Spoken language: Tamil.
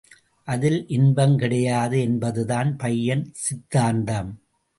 அதில் இன்பம் கிடையாது என்பதுதான் பையன் சித்தாந்தம்.